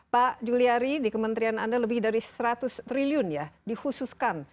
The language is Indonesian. pak juliari di kementerian anda lebih dari seratus triliun ya dikhususkan